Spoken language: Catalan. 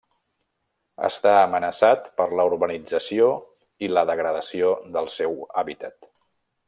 Està amenaçat per la urbanització i la degradació del seu hàbitat.